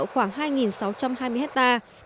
khoảng hai sáu trăm hai mươi hectare